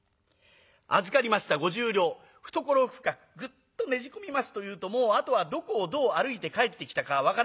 預かりました五十両懐深くぐっとねじ込みますというともうあとはどこをどう歩いて帰ってきたか分からない。